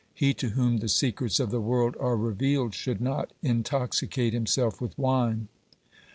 He to whom the secrets of the world are revealed, (14) should not intoxicate himself with wine."